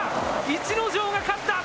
逸ノ城が勝った。